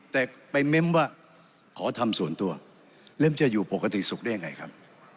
แต่ไปเม้มว่าขอทำส่วนตัวแล้วมันจะอยู่ปกติสุขได้ยังไงครับ